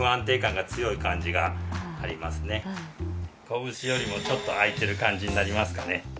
拳よりもちょっと空いてる感じになりますかね。